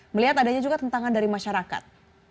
melihat adanya juga tentangan dari masyarakat